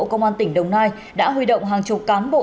công an tỉnh đồng nai đã huy động hàng chục cán bộ